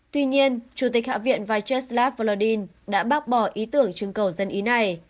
tuy nhiên chủ tịch hạ viện vyacheslav volodin đã bác bỏ ý tưởng chương cầu dân ý này